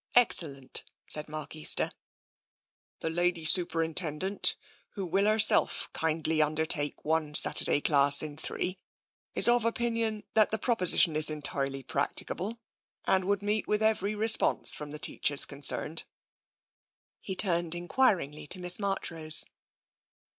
Excellent," said Mark Easter. The Lady Superintendent, who will herself kindly undertake one Saturday class in three, is of opinion that the proposition is entirely practicable and would meet with every response from the teachers concerned." He turned enquiringly to Miss Marchrose.